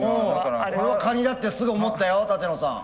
俺はカニだってすぐ思ったよ舘野さん。